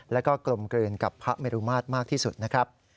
แล้วก็กลมกลืนกับพระเมรุมาตรมากที่สุดนะครับ